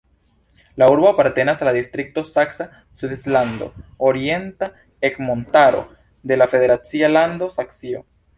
La urbo apartenas al la distrikto Saksa Svislando-Orienta Ercmontaro de la federacia lando Saksio.